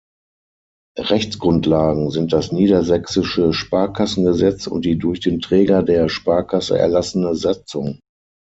Rechtsgrundlagen sind das Niedersächsische Sparkassengesetz und die durch den Träger der Sparkasse erlassene Satzung.